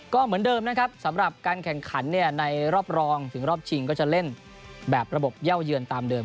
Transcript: ก็เหมือนเดิมนะครับสำหรับการแข่งขันในรอบรองถึงรอบชิงก็จะเล่นแบบระบบเย่าเยือนตามเดิม